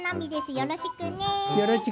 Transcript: よろちくね。